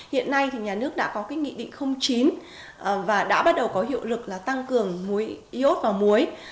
hiện nay nhà nước đã có nghị định chín và đã bắt đầu có hiệu lực tăng cường yốt vào muối